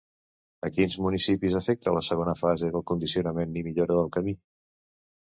A quins municipis afecta la segona fase de condicionament i millora del camí?